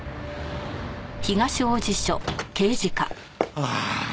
ああ！